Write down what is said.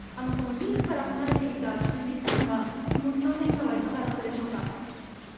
このリンクから離れていた数日間は、気持ちの変化はいかがだったでしょうか。